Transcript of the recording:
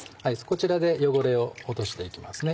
こちらで汚れを落として行きますね。